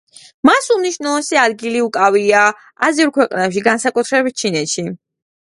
მას მნიშვნელოვანი ადგილი უკავია აზიურ ქვეყნებში, განსაკუთრებით ჩინეთში.